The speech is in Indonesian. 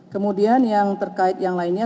kemudian yang terkait yang lainnya